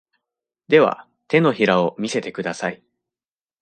では、手のひらを見せてください。